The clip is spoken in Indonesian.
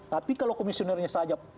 tapi kalau komisionernya saja